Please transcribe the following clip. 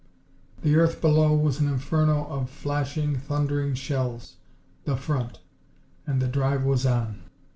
The earth below was an inferno of flashing, thundering shells. The front! And the drive was on!